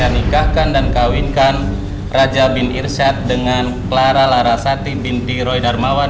saya nikahkan dan kawinkan raja bin irsyad dengan clara larasati binti roy darmawan